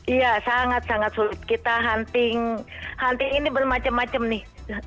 iya sangat sangat sulit kita hunting hunting ini bermacam macam nih